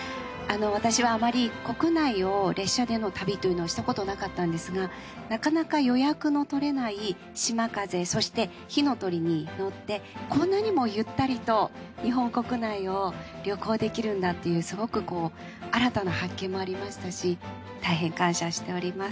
私はあまり国内を列車での旅というのをしたことなかったんですがなかなか予約の取れないしまかぜそしてひのとりに乗ってこんなにもゆったりと日本国内を旅行できるんだっていうすごくこう新たな発見もありましたしたいへん感謝しております。